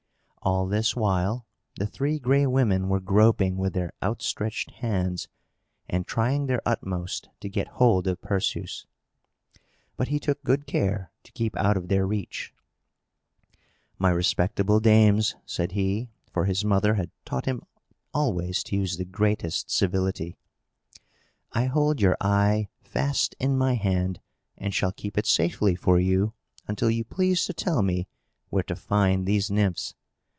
All this while the Three Gray Women were groping with their outstretched hands, and trying their utmost to get hold of Perseus. But he took good care to keep out of their reach. "My respectable dames," said he for his mother had taught him always to use the greatest civility "I hold your eye fast in my hand, and shall keep it safely for you, until you please to tell me where to find these Nymphs.